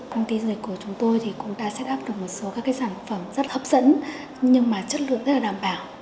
công ty du lịch của chúng tôi cũng đã set up được một số các sản phẩm rất hấp dẫn nhưng mà chất lượng rất là đảm bảo